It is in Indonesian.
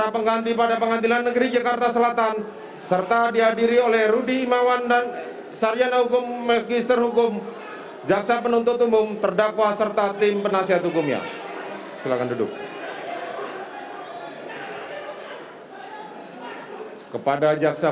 menetapkan terdakwa sebagai saksi